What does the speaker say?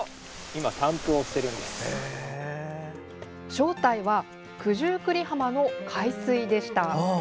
正体は九十九里浜の海水でした。